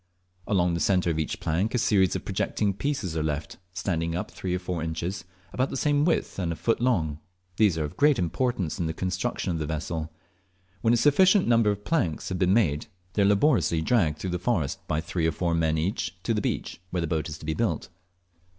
Along the centre of each plank a series of projecting pieces are left, standing up three or four inches, about the same width, and a foot long; these are of great importance in the construction of the vessel. When a sufficient number of planks have been made, they are laboriously dragged through the forest by three or four men each to the beach, where the boat is to be built.